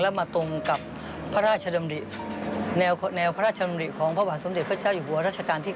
แล้วมาตรงกับพระราชดำริแนวพระราชดำริของพระบาทสมเด็จพระเจ้าอยู่หัวรัชกาลที่๙